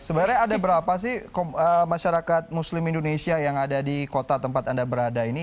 sebenarnya ada berapa sih masyarakat muslim indonesia yang ada di kota tempat anda berada ini